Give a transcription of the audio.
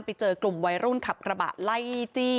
ไปเจอกลุ่มวัยรุ่นขับกระบะไล่จี้